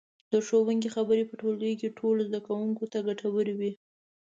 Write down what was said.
د ښوونکي خبرې په ټولګي کې ټولو زده کوونکو ته ګټورې وي.